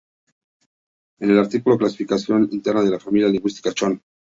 En el artículo ""Clasificación interna de la familia lingüística Chon.